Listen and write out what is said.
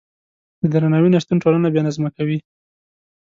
د درناوي نشتون ټولنه بې نظمه کوي.